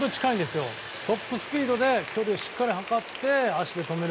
トップスピードでしっかり図って足で止める。